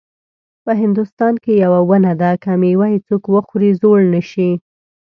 په هندوستان کې یوه ونه ده که میوه یې څوک وخوري زوړ نه شي.